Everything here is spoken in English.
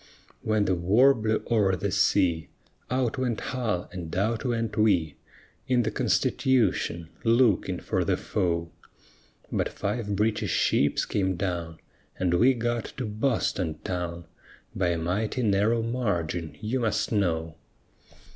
When the war blew o'er the sea Out went Hull and out went we In the Constitution, looking for the foe; But five British ships came down And we got to Boston town By a mighty narrow margin, you must know!